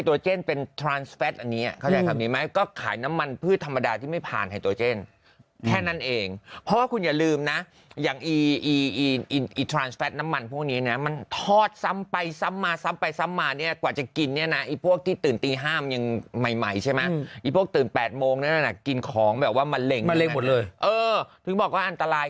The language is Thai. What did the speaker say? พวกตื่น๘โมงนั่นกินของแบบว่ามะเร็งมะเร็งหมดเลยเออถึงบอกว่าอันตราย